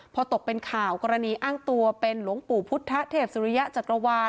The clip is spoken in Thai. พอตกเป็นข่าวกรณีอ้างตัวเป็นหลวงปู่พุทธเทพสุริยะจักรวาล